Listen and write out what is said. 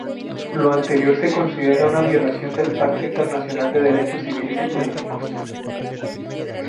Lo anterior se considera una violación del Pacto Internacional de derechos civiles y políticos.